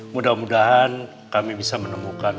mudah mudahan kami bisa menemukan